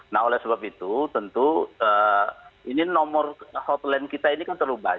nah oleh sebab itu tentu ini nomor hotline kita ini kan terlalu banyak